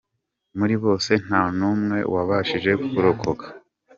Muri bose ntanumwe wabashije kurokoka.